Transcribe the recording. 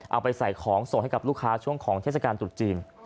เอาไปใส่ของส่งให้กับลูกค้าช่วงของเทศกาลตรุษจีน